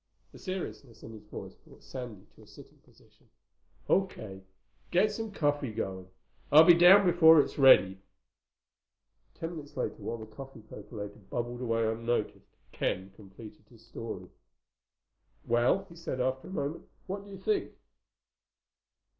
The seriousness in his voice brought Sandy to a sitting position. "O.K. Get some coffee going. I'll be down before it's ready." Ten minutes later, while the coffee percolator bubbled away unnoticed, Ken completed his story. "Well," he said after a moment, "what do you think?